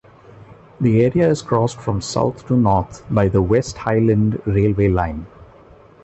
The area is crossed from south to north by the West Highland railway line.